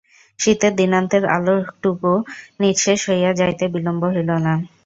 শীতের দিনান্তের আলোকটুকু নিঃশেষ হইয়া যাইতে বিলম্ব হইল না।